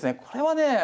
これはね